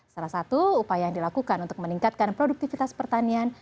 salah satu upaya yang dilakukan untuk meningkatkan produktivitas pertanian